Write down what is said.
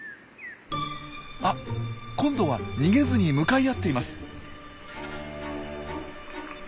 あ今度は逃げずに向かい合っています。